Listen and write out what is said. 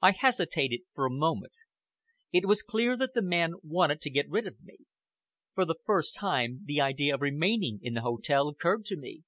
I hesitated for a moment. It was clear that the man wanted to get rid of me. For the first time, the idea of remaining in the hotel occurred to me.